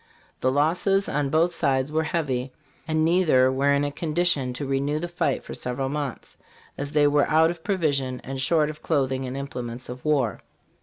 The losses on both sides were heavy, and neither were in a condition to renew the fight for several months, as they were out of provisions and short of clothing and implements of war.